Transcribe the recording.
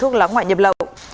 có ngoại nhập lậu